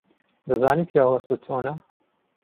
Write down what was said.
دەزانیت کە ئەو هەستە چۆنە؟